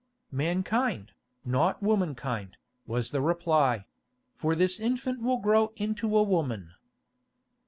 "Mankind, not womankind," was the reply; "for this infant will grow into a woman."